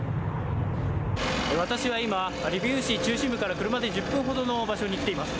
私は今、リビウ市中心部から車で１０分ほどの場所に来ています。